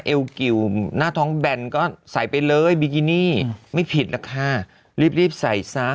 เอวกิวหน้าท้องแบนก็ใส่ไปเลยบิกินี่ไม่ผิดหรอกค่ะรีบรีบใส่ซะ